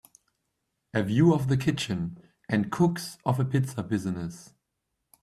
A view of the kitchen and cooks of a pizza business.